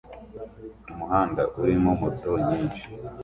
Umuhanda urimo moto nyinshi